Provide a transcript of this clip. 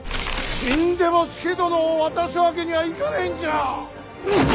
死んでも佐殿を渡すわけにはいかないんじゃ！